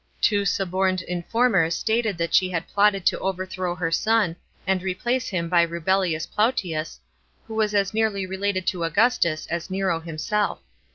Two suborned informers stated that she had plotted to overthrow her son, and replace him by Rubellius Plautus,f who was as nearly related to Augustus as Nero himself.